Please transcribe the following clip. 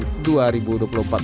ketua umum pertama pdip hasto